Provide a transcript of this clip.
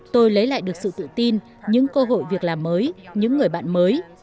tôi lấy lại được sự tự tin những cơ hội việc làm mới những người bạn mới